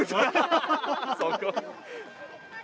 そこ？